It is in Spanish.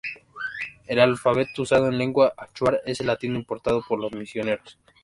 El alfabeto usado en lengua achuar es el latino, importado por los misioneros.